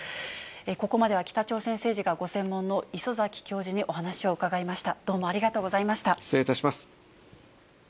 ここまでは北朝鮮政治がご専門の礒崎教授にお話を伺いました。